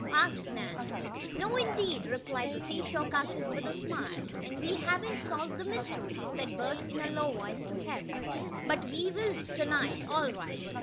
asked Nan. "No, indeed," replied the seashore cousin, with a smile. "And we haven't solved the mystery," said Bert in a low voice to Harry. "But we will to night, all right."